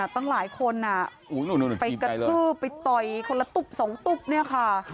ตั้งหลายคนไปกระทืบไปต่อยคนละตุ๊บสองตุ๊บเนี่ยค่ะ